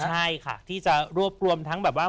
ใช่ค่ะที่จะรวบรวมทั้งแบบว่า